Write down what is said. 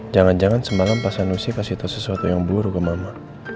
jangan jangan semalam pasan nusi kasih tau sesuatu yang buruk ke mama